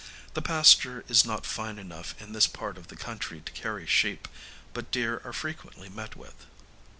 The pasture is not fine enough in this part of the country to carry sheep, but deer are frequently met with.